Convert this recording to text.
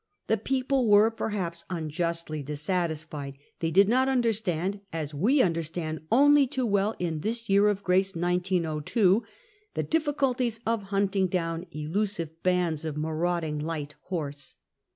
The people were, perhaps unjustly, dis satisfied; they did not understand (as we understand only too well in this year of grace 1902) the difficulties of hunting down elusive bands of marauding light horse.